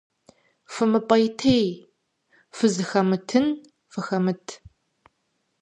ФымыпӀейтей, фызыхэмытын фыхэмыт.